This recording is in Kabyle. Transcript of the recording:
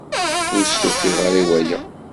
Ur d-stufiɣ ara i waya.